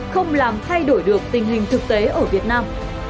không làm thay đổi được tình hình thực tế ở việt nam